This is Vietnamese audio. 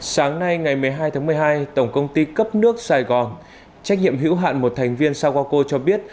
sáng nay ngày một mươi hai tháng một mươi hai tổng công ty cấp nước sài gòn trách nhiệm hữu hạn một thành viên sao qua co cho biết